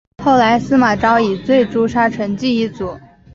后来司马昭以罪诛杀成济一族。